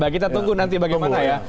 kita tunggu nanti bagaimana ya